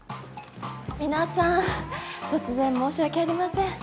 皆さん突然申し訳ありません。